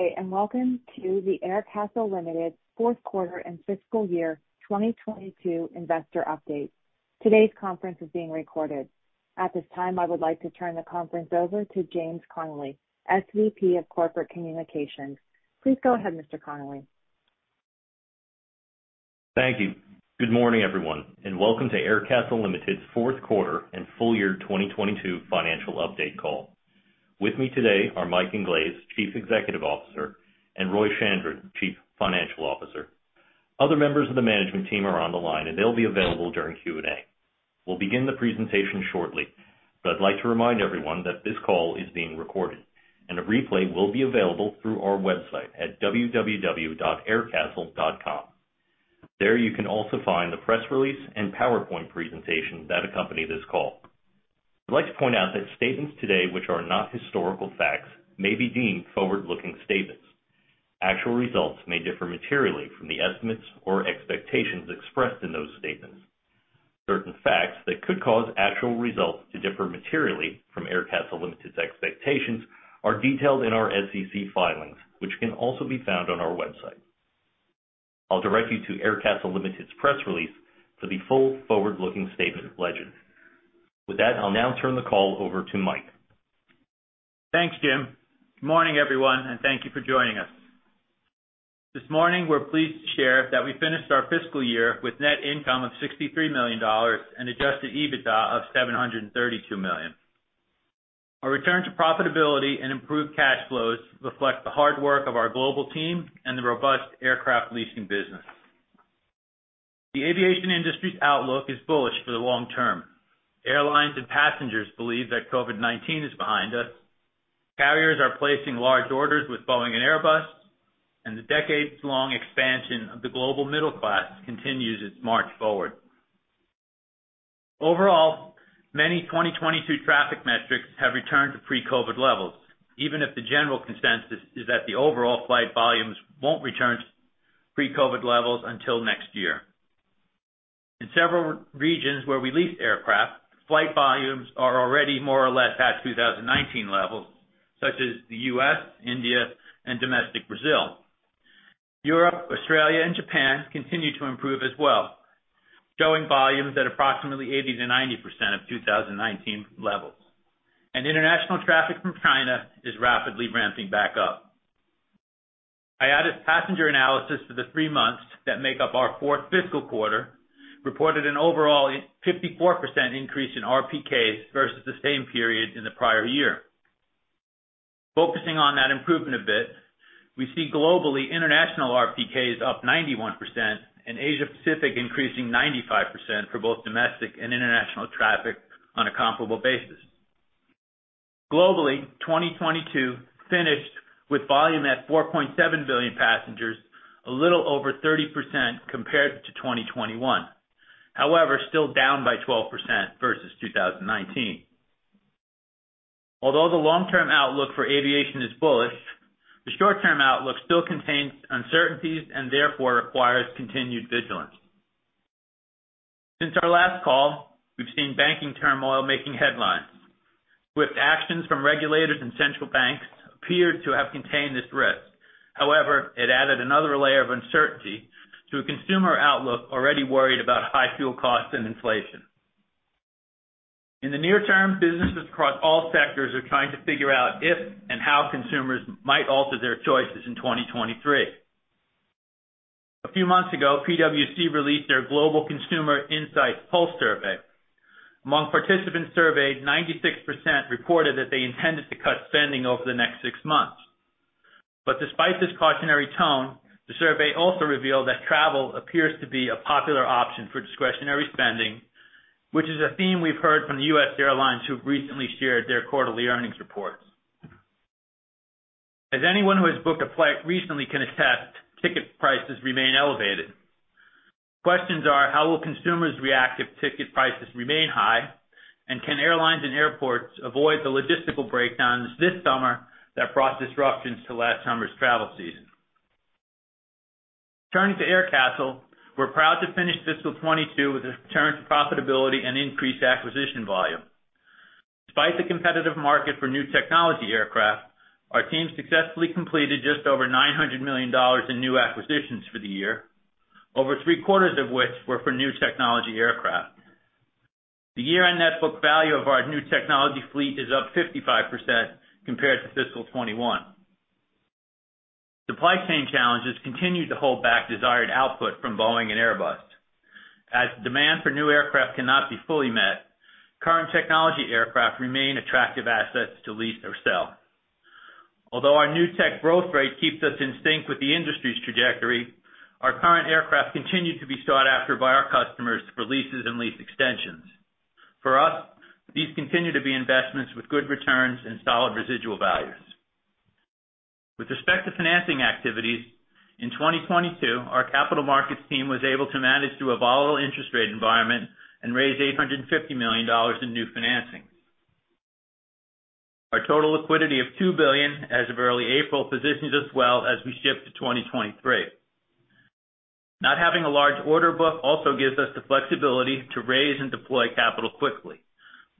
Good day, welcome to the Aircastle Limited Fourth Quarter and Fiscal Year 2022 Investor Update. Today's conference is being recorded. At this time, I would like to turn the conference over to James Connelly, SVP of Corporate Communications. Please go ahead, Mr. Connelly. Thank you. Good morning, everyone, and welcome to Aircastle Limited's Fourth Quarter and Full Year 2022 Financial Update Call. With me today are Mike Inglese, Chief Executive Officer, and Roy Chandran, Chief Financial Officer. Other members of the management team are on the line, and they'll be available during Q&A. We'll begin the presentation shortly, but I'd like to remind everyone that this call is being recorded, and a replay will be available through our website at www.aircastle.com. There, you can also find the press release and PowerPoint presentation that accompany this call. I'd like to point out that statements today which are not historical facts may be deemed forward-looking statements. Actual results may differ materially from the estimates or expectations expressed in those statements. Certain facts that could cause actual results to differ materially from Aircastle Limited's expectations are detailed in our SEC filings, which can also be found on our website. I'll direct you to Aircastle Limited's press release for the full forward-looking statement legend. With that, I'll now turn the call over to Mike. Thanks, Jim. Good morning, everyone, and thank you for joining us. This morning, we're pleased to share that we finished our fiscal year with net income of $63 million and Adjusted EBITDA of $732 million. Our return to profitability and improved cash flows reflect the hard work of our global team and the robust aircraft leasing business. The aviation industry's outlook is bullish for the long term. Airlines and passengers believe that COVID-19 is behind us, carriers are placing large orders with Boeing and Airbus, and the decades-long expansion of the global middle class continues its march forward. Overall, many 2022 traffic metrics have returned to pre-COVID levels, even if the general consensus is that the overall flight volumes won't return to pre-COVID levels until next year. In several regions where we lease aircraft, flight volumes are already more or less at 2019 levels, such as the U.S., India, and domestic Brazil. Europe, Australia, and Japan continue to improve as well, showing volumes at approximately 80%-90% of 2019 levels. International traffic from China is rapidly ramping back up. IATA's passenger analysis for the three months that make up our fourth fiscal quarter reported an overall 54% increase in RPKs versus the same period in the prior year. Focusing on that improvement a bit, we see globally international RPKs up 91% and Asia-Pacific increasing 95% for both domestic and international traffic on a comparable basis. Globally, 2022 finished with volume at 4.7 billion passengers, a little over 30% compared to 2021. Still down by 12% versus 2019. Although the long-term outlook for aviation is bullish, the short-term outlook still contains uncertainties and therefore requires continued vigilance. Since our last call, we've seen banking turmoil making headlines. Swift actions from regulators and central banks appeared to have contained this risk. However, it added another layer of uncertainty to a consumer outlook already worried about high fuel costs and inflation. In the near term, businesses across all sectors are trying to figure out if and how consumers might alter their choices in 2023. A few months ago, PwC released their Global Consumer Insights Pulse Survey. Among participants surveyed, 96% reported that they intended to cut spending over the next six months. Despite this cautionary tone, the survey also revealed that travel appears to be a popular option for discretionary spending, which is a theme we've heard from the U.S. airlines who've recently shared their quarterly earnings reports. As anyone who has booked a flight recently can attest, ticket prices remain elevated. Questions are: How will consumers react if ticket prices remain high? Can airlines and airports avoid the logistical breakdowns this summer that brought disruptions to last summer's travel season? Turning to Aircastle, we're proud to finish fiscal 2022 with a return to profitability and increased acquisition volume. Despite the competitive market for new technology aircraft, our team successfully completed just over $900 million in new acquisitions for the year, over three-quarters of which were for new technology aircraft. The year-end net book value of our new technology fleet is up 55% compared to fiscal 2021. Supply chain challenges continued to hold back desired output from Boeing and Airbus. As demand for new aircraft cannot be fully met, current technology aircraft remain attractive assets to lease or sell. Although our new tech growth rate keeps us in sync with the industry's trajectory, our current aircraft continued to be sought after by our customers for leases and lease extensions. For us, these continue to be investments with good returns and solid residual values. With respect to financing activities, in 2022, our capital markets team was able to manage through a volatile interest rate environment and raise $850 million in new financing. Our total liquidity of $2 billion as of early April positions us well as we shift to 2023. Not having a large order book also gives us the flexibility to raise and deploy capital quickly,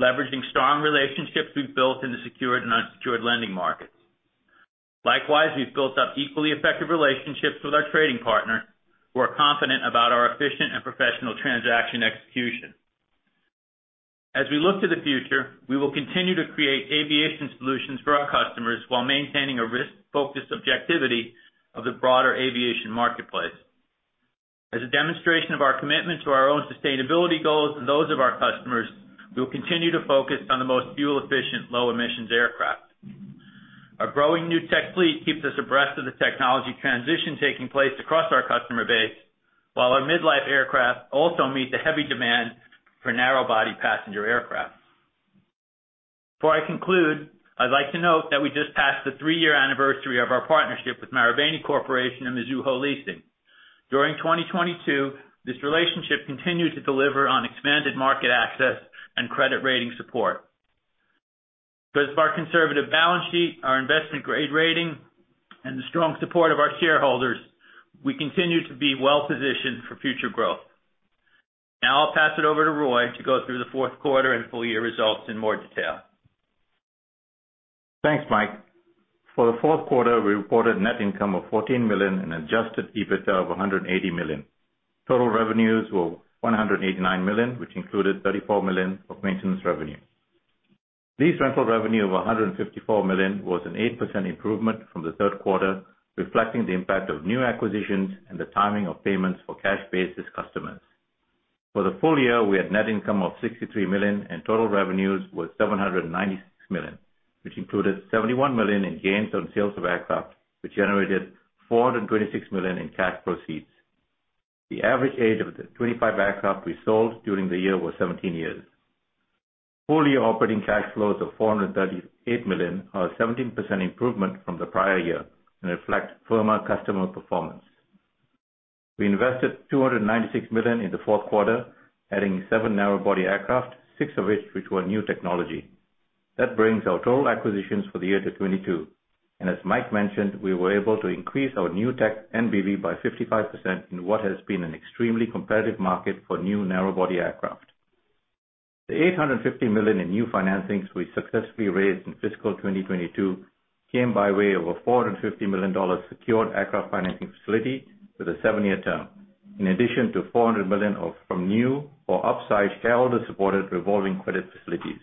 leveraging strong relationships we've built in the secured and unsecured lending markets. Likewise, we've built up equally effective relationships with our trading partner who are confident about our efficient and professional transaction execution. As we look to the future, we will continue to create aviation solutions for our customers while maintaining a risk-focused objectivity of the broader aviation marketplace. As a demonstration of our commitment to our own sustainability goals and those of our customers, we will continue to focus on the most fuel-efficient, low emissions aircraft. Our growing new tech fleet keeps us abreast of the technology transition taking place across our customer base, while our mid-life aircraft also meet the heavy demand for narrow body passenger aircraft. Before I conclude, I'd like to note that we just passed the three year anniversary of our partnership with Marubeni Corporation and Mizuho Leasing. During 2022, this relationship continued to deliver on expanded market access and credit rating support. Because of our conservative balance sheet, our investment-grade rating, and the strong support of our shareholders, we continue to be well-positioned for future growth. Now I'll pass it over to Roy to go through the fourth quarter and full year results in more detail. Thanks, Mike. For the fourth quarter, we reported net income of $14 million and Adjusted EBITDA of $180 million. Total revenues were $189 million, which included $34 million of maintenance revenue. Lease rental revenue of $154 million was an 8% improvement from the third quarter, reflecting the impact of new acquisitions and the timing of payments for cash-based customers. For the full year, we had net income of $63 million. Total revenues were $796 million, which included $71 million in gains on sales of aircraft, which generated $426 million in cash proceeds. The average age of the 25 aircraft we sold during the year was 17 years. Full year operating cash flows of $438 million are a 17% improvement from the prior year and reflect firmer customer performance. We invested $296 million in the fourth quarter, adding seven narrow body aircraft, 6 of which were new technology. That brings our total acquisitions for the year to 2022. As Mike mentioned, we were able to increase our new tech NBV by 55% in what has been an extremely competitive market for new narrow body aircraft. The $850 million in new financings we successfully raised in fiscal 2022 came by way of a $450 million secured aircraft financing facility with a seven year term, in addition to $400 million from new or upsized shareholder-supported revolving credit facilities.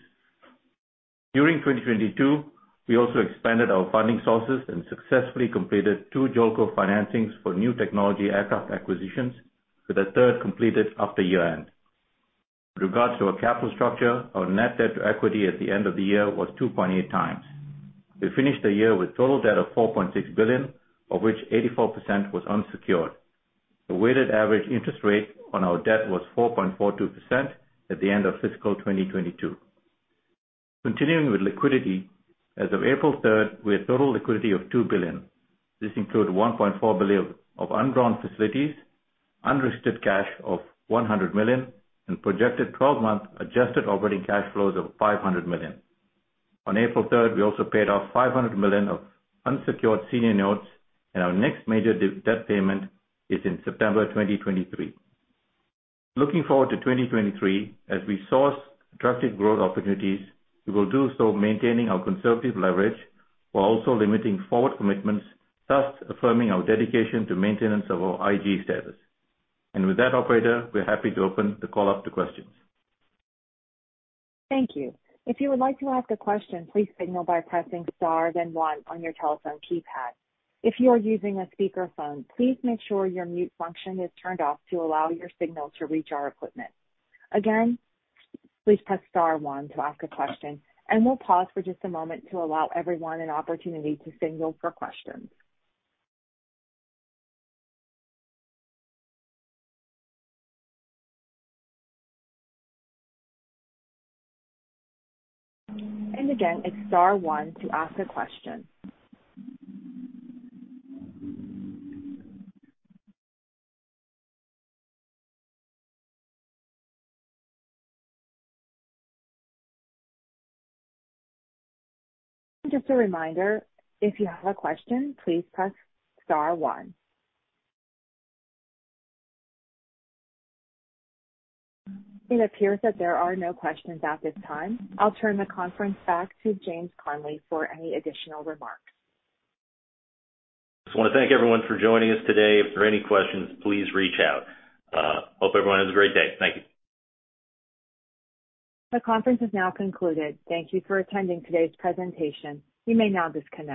During 2022, we also expanded our funding sources and successfully completed two JOLCO financings for new technology aircraft acquisitions, with a third completed after year-end. With regards to our capital structure, our net debt to equity at the end of the year was 2.8x. We finished the year with total debt of $4.6 billion, of which 84% was unsecured. The weighted average interest rate on our debt was 4.42% at the end of fiscal 2022. Continuing with liquidity, as of April 3rd, we had total liquidity of $2 billion. This includes $1.4 billion of undrawn facilities, unrestricted cash of $100 million, and projected 12-month adjusted operating cash flows of $500 million. On April 3rd, we also paid off $500 million of unsecured senior notes, and our next major de-debt payment is in September 2023. Looking forward to 2023, as we source trusted growth opportunities, we will do so maintaining our conservative leverage while also limiting forward commitments, thus affirming our dedication to maintenance of our IG status. With that, operator, we're happy to open the call up to questions. Thank you. If you would like to ask a question, please signal by pressing star then one on your telephone keypad. If you are using a speakerphone, please make sure your mute function is turned off to allow your signal to reach our equipment. Again, please press star one to ask a question, and we'll pause for just a moment to allow everyone an opportunity to signal for questions. Again, it's star one to ask a question. Just a reminder, if you have a question, please press star one. It appears that there are no questions at this time. I'll turn the conference back to James Connelly for any additional remarks. Just wanna thank everyone for joining us today. If there are any questions, please reach out. Hope everyone has a great day. Thank you. The conference is now concluded. Thank you for attending today's presentation. You may now disconnect.